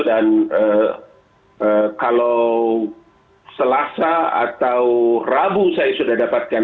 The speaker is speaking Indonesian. kalau selasa atau rabu saya sudah dapatkan